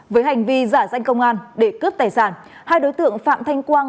với hành vi giả danh công an để cướp tài sản hai đối tượng phạm thanh quang